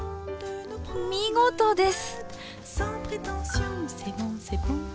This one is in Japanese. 見事です。